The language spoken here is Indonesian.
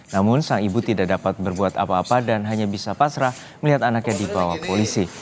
namun sang ibu tidak dapat berbuat apa apa dan hanya bisa pasrah melihat anaknya dibawa polisi